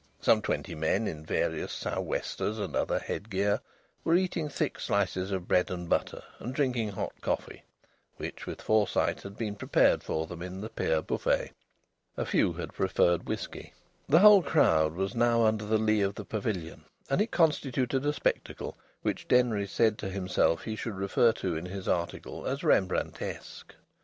Some twenty men in various sou' westers and other headgear were eating thick slices of bread and butter and drinking hot coffee, which with foresight had been prepared for them in the pier buffet. A few had preferred whisky. The whole crowd was now under the lee of the pavilion, and it constituted a spectacle which Denry said to himself he should refer to in his article as "Rembrandtesque."